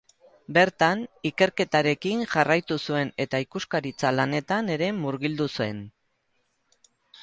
Bertan, ikerketarekin jarraitu zuen eta ikuskaritza lanetan ere murgildu zen.